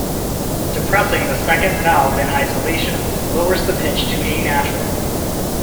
Depressing the second valve in isolation lowers the pitch to A natural.